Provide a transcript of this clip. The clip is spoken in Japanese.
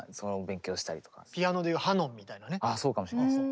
ああそうかもしれないですね。